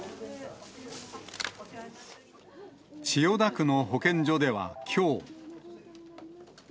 千代田区の保健所ではきょう。